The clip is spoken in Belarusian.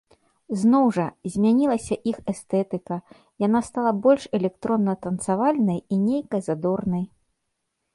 Зноў жа, змянілася іх эстэтыка, яна стала больш электронна-танцавальнай і нейкай задорнай.